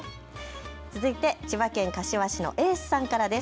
続いて千葉県柏市のエースさんからです。